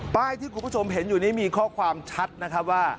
ที่คุณผู้ชมเห็นอยู่นี้มีข้อความชัดนะครับว่า